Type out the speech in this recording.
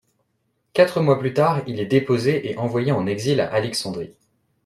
Quatre mois plus tard il est déposé et envoyé en exil à Alexandrie.